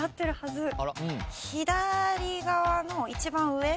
左側の一番上。